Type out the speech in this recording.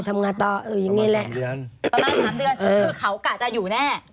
ประมาณสามเดือนคือเขากะจะอยู่แน่